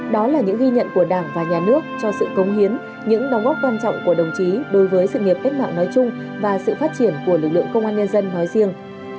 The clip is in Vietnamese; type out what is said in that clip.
đó là những ghi nhận của đảng và nhà nước cho sự công hiến những đóng góp quan trọng của đồng chí đối với sự nghiệp cách mạng nói chung và sự phát triển của lực lượng công an nhân dân nói riêng